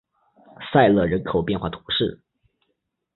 塞勒人口变化图示